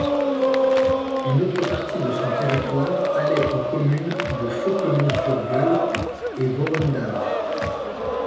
Une autre partie de son territoire allait aux communes de Fauquemont-sur-Gueule et Voerendaal.